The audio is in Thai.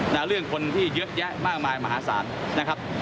เรื่องคนที่เยอะแยะมากมายมหาศาลนะครับ